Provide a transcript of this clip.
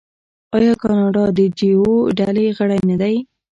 آیا کاناډا د جي اوه ډلې غړی نه دی؟